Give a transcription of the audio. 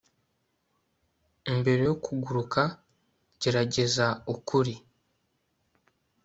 mbere yo kuguruka, gerageza ukuri